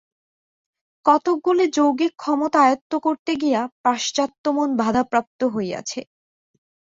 কতকগুলি যৌগিক ক্ষমতা আয়ত্ত করিতে গিয়া পাশ্চাত্য মন বাধাপ্রাপ্ত হইয়াছে।